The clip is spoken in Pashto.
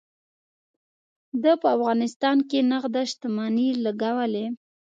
ده په افغانستان کې نغده شتمني لګولې.